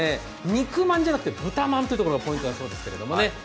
肉まんじゃなくて豚まんというところがポイントだそうですけどね。